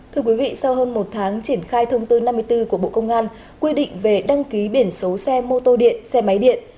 thưa quý vị sau hơn một tháng triển khai thông tư năm mươi bốn của bộ công an quy định về đăng ký biển số xe mô tô điện xe máy điện